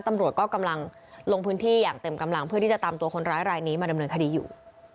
ตำรวจก็กำลังลงพื้นที่อย่างเต็มกำลังเพื่อที่จะตามตัวคนร้ายรายนี้มาดำเนินคดีอยู่